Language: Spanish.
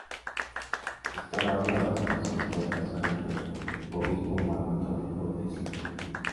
Esta bajo la responsabilidad pastoral del obispo Marco Antonio Cortez Lara.